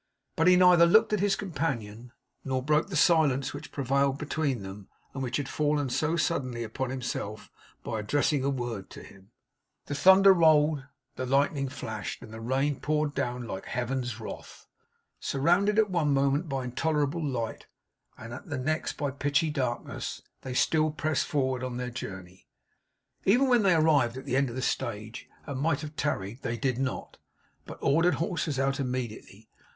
But he neither looked at his companion, nor broke the silence which prevailed between them, and which had fallen so suddenly upon himself, by addressing a word to him. The thunder rolled, the lightning flashed; the rain poured down like Heaven's wrath. Surrounded at one moment by intolerable light, and at the next by pitchy darkness, they still pressed forward on their journey. Even when they arrived at the end of the stage, and might have tarried, they did not; but ordered horses out immediately.